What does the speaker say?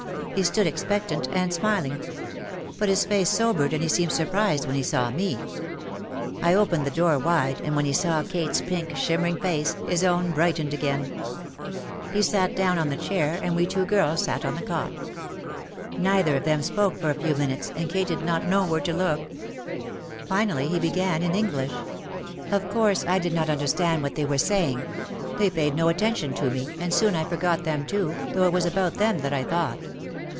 He stood expectant and smiling. But his face sobered and he seemed surprised when he saw me. I opened the door wide and when he saw Kate's pink, shimmering face, his own brightened again. OUT OF THE SHADOW 93 He sat down on the chair and we two girls sat on the cot. Neither of them spoke for a few minutes and Kate did not know where to look. Finally he began in English. Of course, I did not understand what they were saying. They paid no attention to me and soon I forgot them too, though it was about them that I thought.